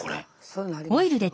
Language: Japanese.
そうなりますよね。